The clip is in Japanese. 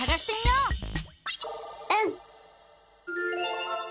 うん！